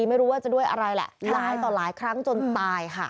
ไม่รู้ว่าจะด้วยอะไรแหละร้ายต่อหลายครั้งจนตายค่ะ